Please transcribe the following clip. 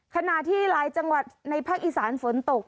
ขณะที่หลายจังหวัดในภาคอีสานฝนตก